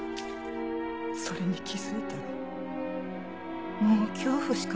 それに気づいたらもう恐怖しかなかった。